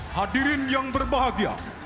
hadirin yang berbahagia